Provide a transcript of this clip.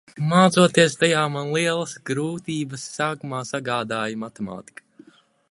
Mācoties tajā, man lielas grūtības sākumā sagādāja matemātika.